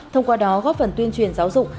thông qua đó góp phần tuyên truyền giáo dục